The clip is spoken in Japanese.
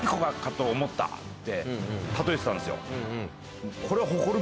って例えてたんですよ。